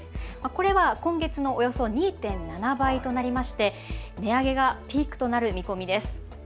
これは今月のおよそ２．７倍となりまして値上げがピークとなる見込みです。